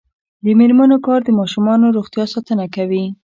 د میرمنو کار د ماشومانو روغتیا ساتنه کوي.